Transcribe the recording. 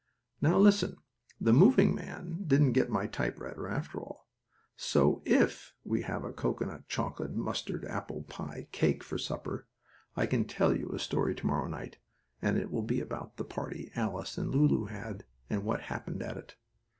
Now, listen: the moving man didn't get my typewriter, after all, so if we have cocoanut chocolate mustard apple pie cake for supper, I can tell you a story to morrow night, and it will be about the party Alice and Lulu had, and what happened at it.